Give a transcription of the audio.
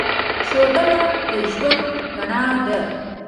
ښوونه د ژوند رڼا ده.